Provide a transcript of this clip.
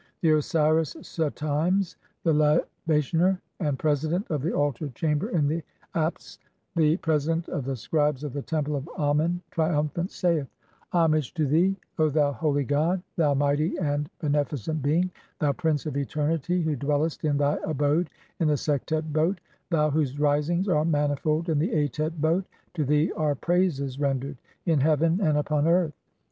The Osiris Sutimes, the libationer and president of the altar chamber in the Apts, the president of the scribes of the Temple of Amen, triumphant, saith :— "Homage to thee, O thou holy god, thou mighty and bene "ficent being, thou Prince of eternity who dwellest in thy abode "in the Sektet boat, thou whose risings are manifold in the "Atet boat, to thee are praises rendered in heaven and upon "earth.